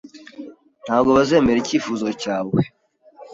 Ntabwo bazemera icyifuzo cyawe.